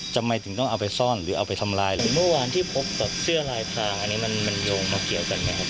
จะไม่ถึงต้องเอาไปซ่อนหรือเอาไปทำลาย